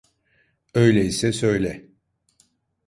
Öyleyse söyle.